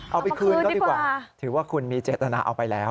เอาไปคืนก็ดีกว่าถือว่าคุณมีเจตนาเอาไปแล้ว